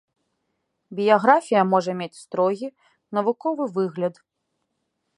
Біяграфія можа мець строгі, навуковы выгляд.